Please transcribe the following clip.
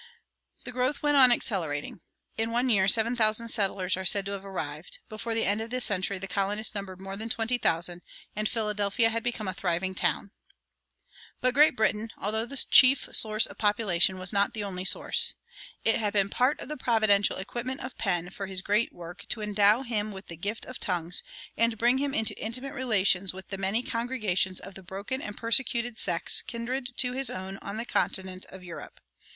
[117:1] The growth went on accelerating. In one year seven thousand settlers are said to have arrived; before the end of the century the colonists numbered more than twenty thousand, and Philadelphia had become a thriving town.[117:2] But Great Britain, although the chief source of population, was not the only source. It had been part of the providential equipment of Penn for his great work to endow him with the gift of tongues and bring him into intimate relations with the many congregations of the broken and persecuted sects kindred to his own on the continent of Europe.